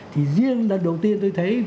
thì riêng lần đầu tiên tôi thấy